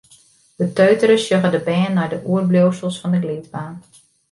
Beteutere sjogge de bern nei de oerbliuwsels fan de glydbaan.